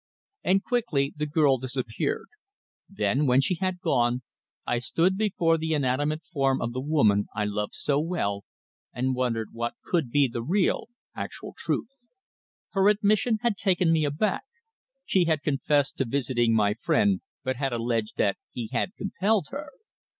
And quickly the girl disappeared. Then, when she had gone, I stood before the inanimate form of the woman I loved so well, and wondered what could be the real, actual truth. Her admission had taken me aback. She had confessed to visiting my friend, but had alleged that he had compelled her.